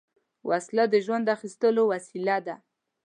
وسله د ژوند اخیستو وسیله ده